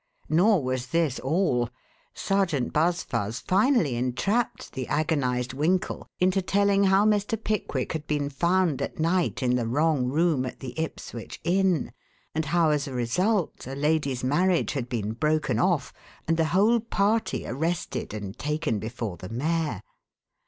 Nor was this all. Sergeant Buzfuz finally entrapped the agonized Winkle into telling how Mr. Pickwick had been found at night in the wrong room at the Ipswich Inn and how as a result a lady's marriage had been broken off and the whole party arrested and taken before the mayor.